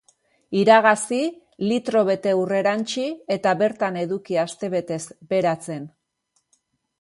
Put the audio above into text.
Iragazi, litro bete ur erantsi eta bertan eduki astebetez beratzen.